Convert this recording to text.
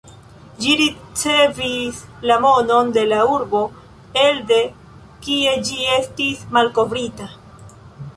Ĝi ricevis la nomon de la urbo elde kie ĝi estis malkovrita.